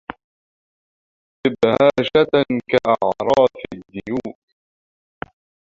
طباهجة كأعراف الديوك